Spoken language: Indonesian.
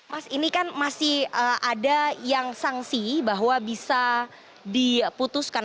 mas ini kan masih ada yang sanksi bahwa bisa diputuskan